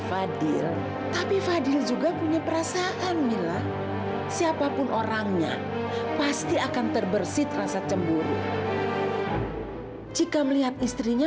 sampai jumpa di video selanjutnya